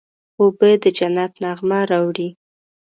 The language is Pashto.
اوبه د جنت نغمه راوړي.